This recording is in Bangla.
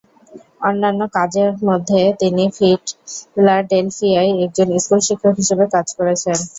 অন্যান্য কাজ মধ্যে, তিনি ফিলাডেলফিয়ায় একজন স্কুল শিক্ষক হিসেবে কাজ করেছেন।